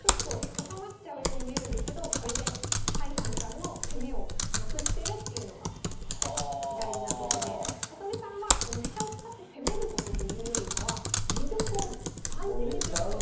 おさまっちゃうように見えるんですけどこれで甲斐さんからの攻めをなくしてるっていうのが大事なことで里見さんはこの飛車を使って攻めることというよりかは自玉を安全にすること。